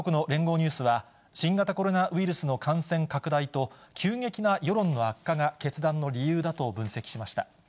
ニュースは、新型コロナウイルスの感染拡大と、急激な世論の悪化が決断の理由だと分析しました。